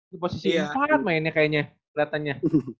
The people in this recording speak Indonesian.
di posisi yang parah mainnya kayaknya keliatannya